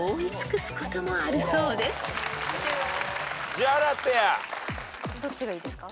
宇治原ペア。どっちがいいですか？